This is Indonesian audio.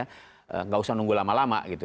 tidak usah nunggu lama lama gitu